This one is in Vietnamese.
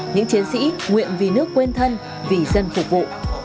những chiến sĩ nguyện vì nước quên thân vì dân phục vụ